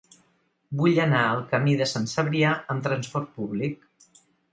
Vull anar al camí de Sant Cebrià amb trasport públic.